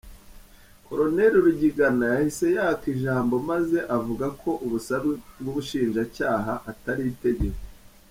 Col Rugigana yahise yaka ijambo maze avuga ko ubusabe bw’umushinjacyaha atari itegeko.